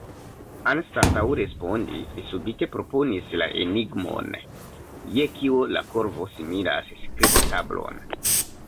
Anstataŭ respondi, li subite proponis la enigmon: "Je kio la korvo similas skribotablon?"